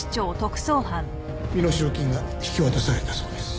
身代金が引き渡されたそうです。